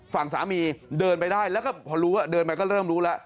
ฝั่งสามีเดินไปได้แล้วก็พอรู้ว่าเดินไปก็เริ่มรู้แล้ว